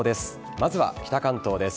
まずは、北関東です。